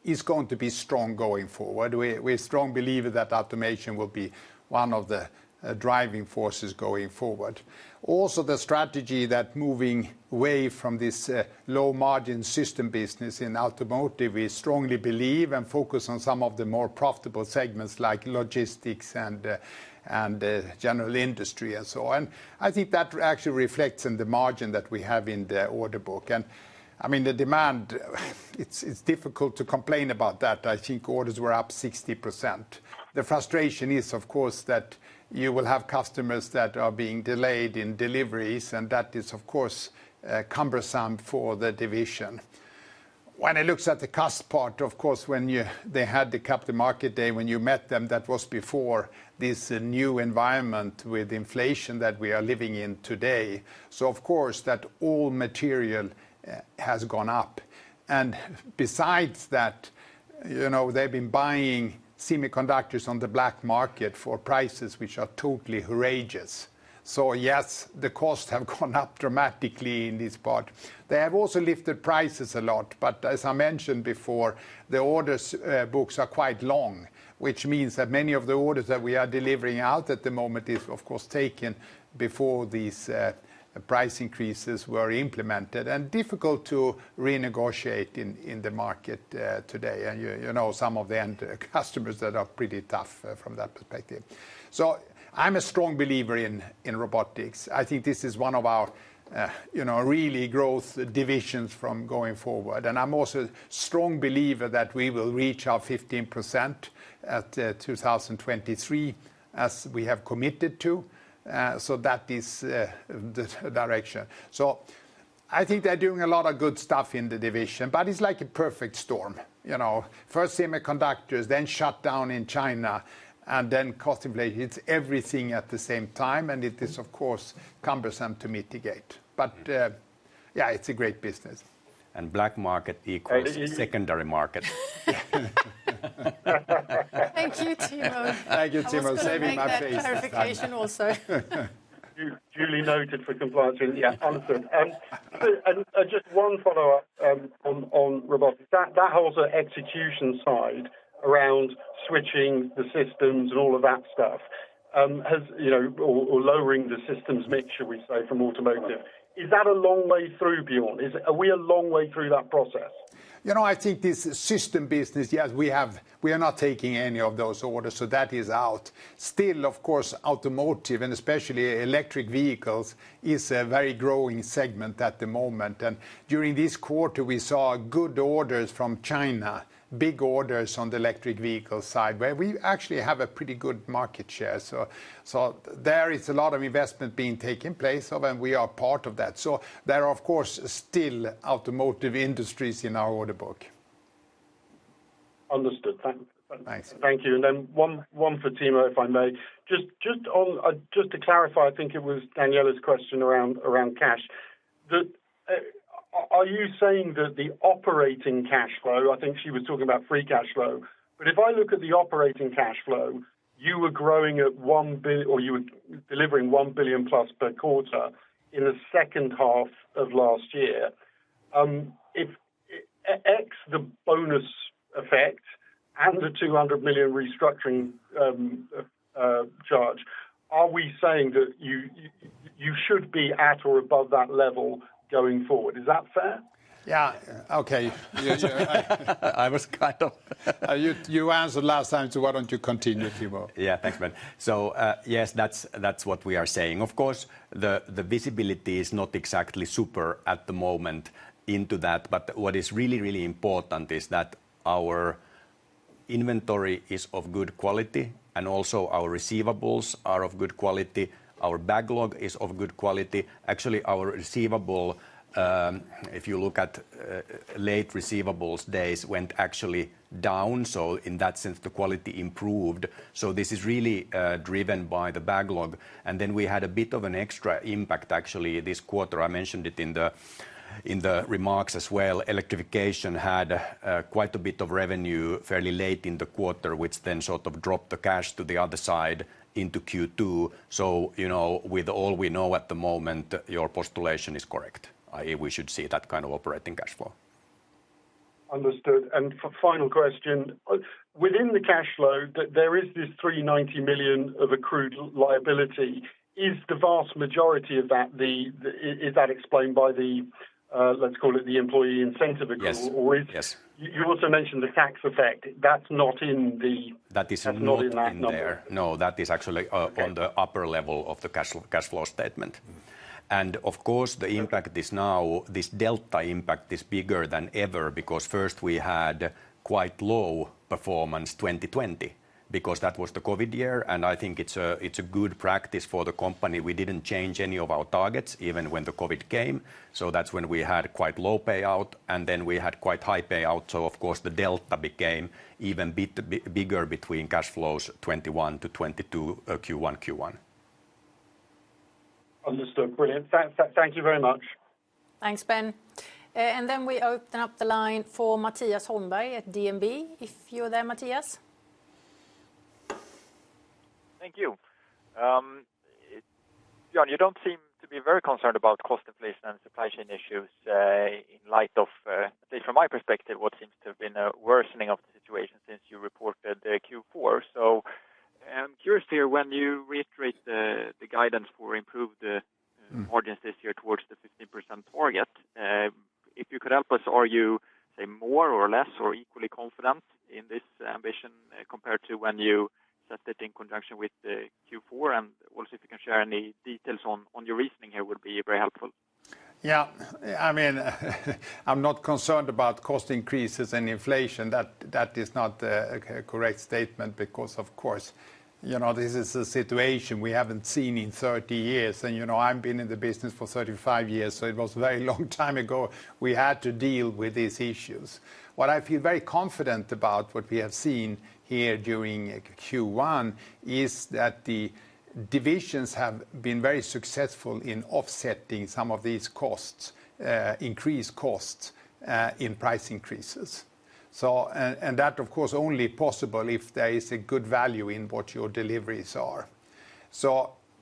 is going to be strong going forward. We strongly believe that automation will be one of the driving forces going forward. Also, the strategy that's moving away from this low-margin system business in automotive, we strongly believe and focus on some of the more profitable segments like logistics and general industry and so on. I think that actually reflects in the margin that we have in the order book. I mean, the demand, it's difficult to complain about that. I think orders were up 60%. The frustration is, of course, that you will have customers that are being delayed in deliveries, and that is, of course, cumbersome for the division. When it looks at the cost part, of course, they had the capital market day, when you met them, that was before this new environment with inflation that we are living in today. Of course, that all material has gone up. Besides that, you know, they've been buying semiconductors on the black market for prices which are totally outrageous. Yes, the costs have gone up dramatically in this part. They have also lifted prices a lot. As I mentioned before, the order books are quite long, which means that many of the orders that we are delivering out at the moment is, of course, taken before these price increases were implemented, and difficult to renegotiate in the market today. You know some of the end customers that are pretty tough from that perspective. I'm a strong believer in robotics. I think this is one of our, you know, really growth divisions going forward. I'm also strong believer that we will reach our 15% at 2023, as we have committed to. That is the direction. I think they're doing a lot of good stuff in the division, but it's like a perfect storm. You know? First semiconductors, then shut down in China, and then cost inflation hits everything at the same time, and it is, of course, cumbersome to mitigate. Yeah, it's a great business. Black market equals secondary market. Thank you, Timo. Thank you, Timo. Saving my face. I was gonna make that clarification also. Duly noted for compliance and, yeah, understood. Just one follow-up on robotics. That whole execution side around switching the systems and all of that stuff, you know, or lowering the systems mix, shall we say, from automotive, is that a long way through, Björn? Are we a long way through that process? You know, I think this system business, yes, we have, we are not taking any of those orders, so that is out. Still, of course, automotive, and especially electric vehicles, is a very growing segment at the moment, and during this quarter we saw good orders from China, big orders on the electric vehicle side, where we actually have a pretty good market share. There is a lot of investment being taking place, so then we are part of that. There are, of course, still automotive industries in our order book. Understood. Thank you. Thanks. Thank you, then one for Timo, if I may. Just to clarify, I think it was Daniela's question around cash. Are you saying that the operating cash flow, I think she was talking about free cash flow, but if I look at the operating cash flow, you were delivering $1 billion plus per quarter in the second half of last year. If ex the bonus effect and the $200 million restructuring charge, are we saying that you should be at or above that level going forward? Is that fair? Yeah. Okay. I was kind of. You answered last time, so why don't you continue, Timo? Yeah. Thanks, man. Yes, that's what we are saying. Of course, the visibility is not exactly super at the moment into that, but what is really important is that our inventory is of good quality and also our receivables are of good quality. Our backlog is of good quality. Actually, our receivable, if you look at late receivables, days went actually down, so in that sense the quality improved. This is really driven by the backlog. Then we had a bit of an extra impact, actually, this quarter. I mentioned it in the remarks as well. Electrification had quite a bit of revenue fairly late in the quarter, which then sort of dropped the cash to the other side into Q2. You know, with all we know at the moment, your postulation is correct. We should see that kind of operating cash flow. Understood. Final question. Within the cash flow, there is this $390 million of accrued liability. Is the vast majority of that explained by the, let's call it, the employee incentive accrual? Yes. Yes. You also mentioned the tax effect. That's not in the That is not in there. that's not in that number. No, that is actually on the upper level of the cash flow statement. Of course, the impact is now, this delta impact is bigger than ever because first we had quite low performance 2020 because that was the COVID year, and I think it's a good practice for the company. We didn't change any of our targets, even when the COVID came, so that's when we had quite low payout, and then we had quite high payout, so of course the delta became even bigger between cash flows 2021-2022, Q1. Understood. Brilliant. Thank you very much. Thanks, Ben. We open up the line for Mattias Holmberg at DNB, if you're there, Mattias. Thank you. Björn, you don't seem to be very concerned about cost inflation and supply chain issues, in light of, at least from my perspective, what seems to have been a worsening of the situation since you reported the Q4. I'm curious here, when you reiterate the guidance for improved margins this year towards the 15% target, if you could help us, are you, say, more or less or equally confident in this ambition, compared to when you set it in conjunction with the Q4? Also if you can share any details on your reasoning here would be very helpful. Yeah. I mean, I'm not concerned about cost increases and inflation. That is not a correct statement because of course, you know, this is a situation we haven't seen in 30 years and, you know, I've been in the business for 35 years, so it was a very long time ago we had to deal with these issues. What I feel very confident about, what we have seen here during Q1, is that the divisions have been very successful in offsetting some of these costs, increased costs, in price increases. And that of course only possible if there is a good value in what your deliveries are.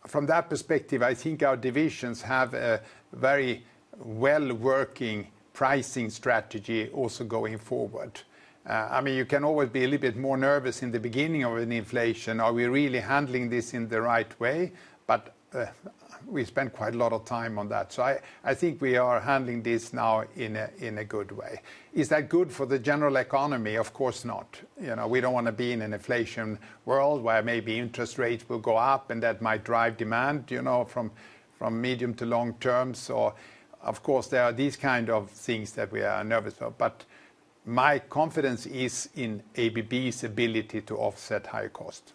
From that perspective, I think our divisions have a very well-working pricing strategy also going forward. I mean, you can always be a little bit more nervous in the beginning of an inflation. Are we really handling this in the right way? We spent quite a lot of time on that. I think we are handling this now in a good way. Is that good for the general economy? Of course not. You know, we don't want to be in an inflation world where maybe interest rates will go up and that might drive demand, you know, from medium to long term. Of course there are these kind of things that we are nervous of, but my confidence is in ABB's ability to offset higher costs.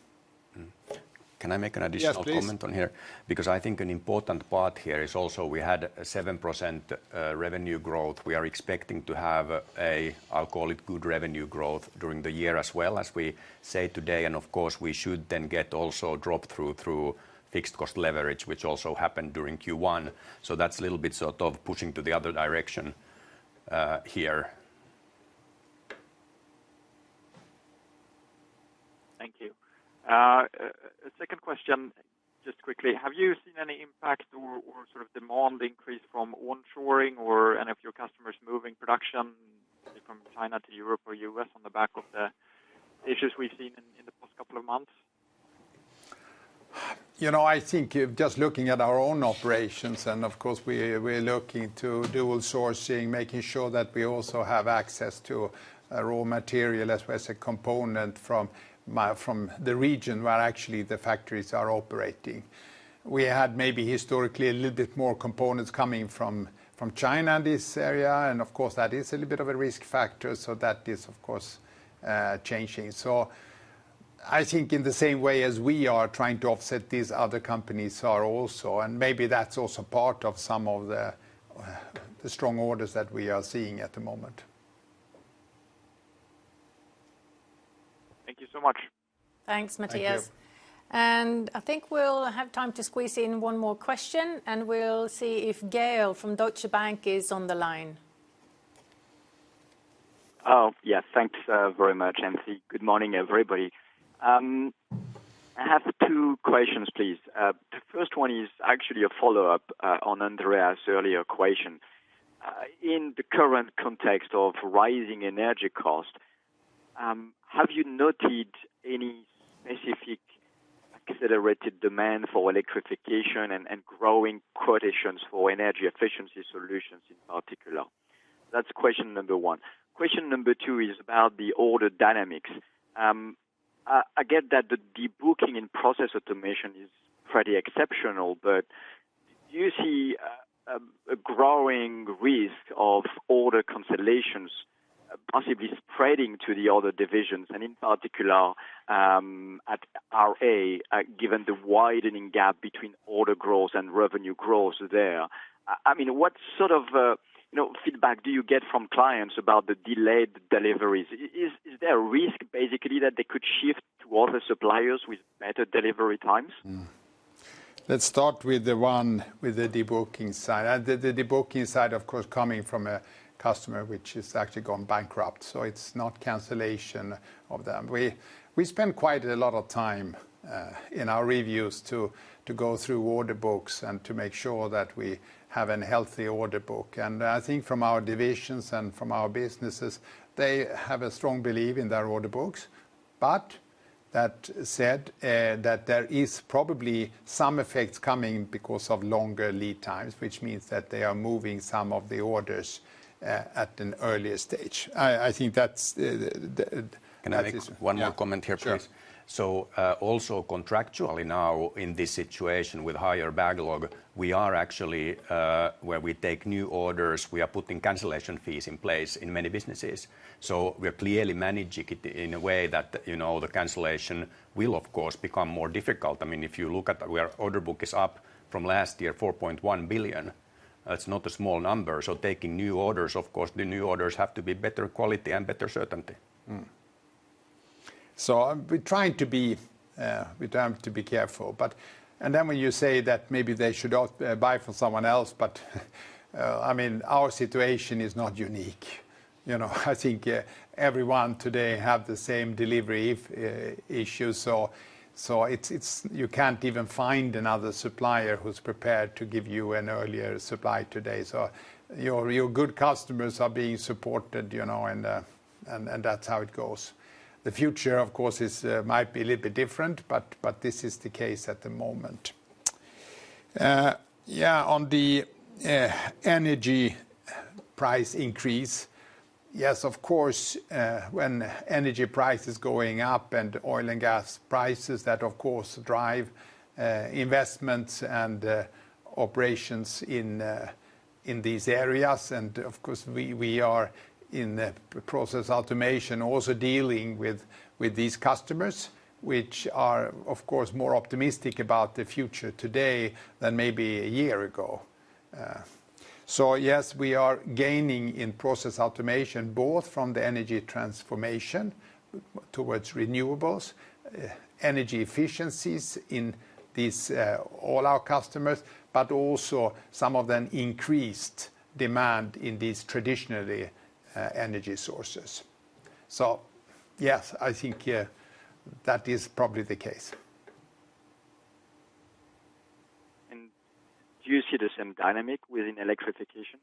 Can I make an additional- Yes, please. Comment on here? Because I think an important part here is also we had 7% revenue growth. We are expecting to have a, I'll call it good revenue growth during the year as well as we say today, and of course, we should then get also drop through fixed cost leverage, which also happened during Q1. That's a little bit sort of pushing to the other direction here. Thank you. A second question just quickly. Have you seen any impact or sort of demand increase from onshoring or any of your customers moving production from China to Europe or U.S. on the back of the issues we've seen in the past couple of months? You know, I think just looking at our own operations, and of course, we're looking to dual sourcing, making sure that we also have access to a raw material as well as a component from the region where actually the factories are operating. We had maybe historically a little bit more components coming from China in this area, and of course, that is a little bit of a risk factor, so that is, of course, changing. I think in the same way as we are trying to offset these other companies are also, and maybe that's also part of some of the strong orders that we are seeing at the moment. Thank you so much. Thanks, Mattias. Thank you. I think we'll have time to squeeze in one more question, and we'll see if Gael from Deutsche Bank is on the line. Thanks very much, MC. Good morning, everybody. I have two questions, please. The first one is actually a follow-up on Andreas' earlier question. In the current context of rising energy costs, have you noted any specific accelerated demand for Electrification and growing quotations for energy efficiency solutions in particular? That's question number one. Question number two is about the order dynamics. I get that the de-booking in Process Automation is pretty exceptional, but do you see a growing risk of order cancellations possibly spreading to the other divisions, and in particular, at RA, given the widening gap between order growth and revenue growth there? I mean, what sort of you know, feedback do you get from clients about the delayed deliveries? Is there a risk, basically, that they could shift to other suppliers with better delivery times? Let's start with the one with the de-booking side. The de-booking side, of course, coming from a customer which has actually gone bankrupt, so it's not cancellation of them. We spend quite a lot of time in our reviews to go through order books and to make sure that we have a healthy order book, and I think from our divisions and from our businesses, they have a strong belief in their order books. That said, there is probably some effects coming because of longer lead times, which means that they are moving some of the orders at an earlier stage. I think that's the. Can I make one more comment here, please? Yeah. Sure. also contractually now in this situation with higher backlog, we are actually where we take new orders, we are putting cancellation fees in place in many businesses. We are clearly managing it in a way that, you know, the cancellation will of course become more difficult. I mean, if you look at where order book is up from last year, $4.1 billion, that's not a small number. Taking new orders, of course, the new orders have to be better quality and better certainty. We're trying to be careful. When you say that maybe they should buy from someone else, but I mean, our situation is not unique, you know? I think everyone today have the same delivery issue. You can't even find another supplier who's prepared to give you an earlier supply today. Your good customers are being supported, you know, and that's how it goes. The future, of course, is might be a little bit different, but this is the case at the moment. Yeah, on the energy price increase, yes, of course, when energy price is going up and oil and gas prices, that of course drive investments and operations in these areas. Of course, we are in Process Automation also dealing with these customers which are of course more optimistic about the future today than maybe a year ago. Yes, we are gaining in Process Automation both from the energy transformation towards renewables, energy efficiencies in these all our customers, but also some of them increased demand in these traditionally energy sources. Yes, I think, yeah, that is probably the case. Do you see the same dynamic within Electrification?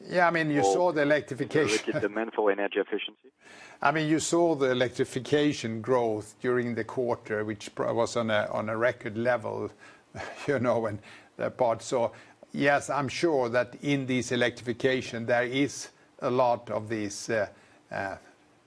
Yeah, I mean, you saw the Electrification- Dedicated demand for energy efficiency? I mean, you saw the Electrification growth during the quarter, which was on a record level, you know, and that part. Yes, I'm sure that in this Electrification, there is a lot of this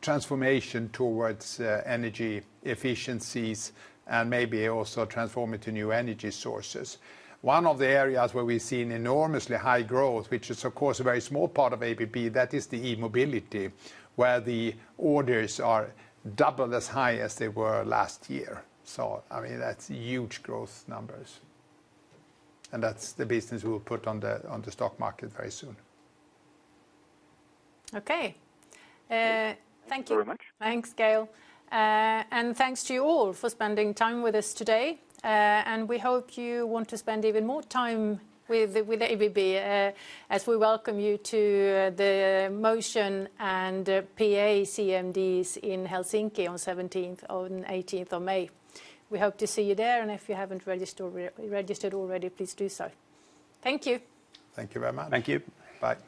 transformation towards energy efficiencies and maybe also transforming to new energy sources. One of the areas where we've seen enormously high growth, which is of course a very small part of ABB, that is the E-mobility, where the orders are double as high as they were last year. I mean, that's huge growth numbers, and that's the business we'll put on the stock market very soon. Okay. Thank you. Thank you very much. Thanks, Gael. Thanks to you all for spending time with us today. We hope you want to spend even more time with ABB as we welcome you to the Motion and PA CMDs in Helsinki on seventeenth or eighteenth of May. We hope to see you there, and if you haven't registered already, please do so. Thank you. Thank you very much. Thank you. Bye.